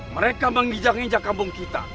mereka mengijak injak panggung kita